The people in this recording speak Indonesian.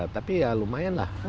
tapi ya lumayan lah